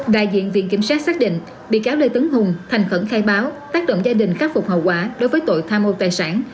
đại diện viện kiểm sát xác định bị cáo lê tấn hùng thành khẩn khai báo tác động gia đình khắc phục hậu quả đối với tội tham mô tài sản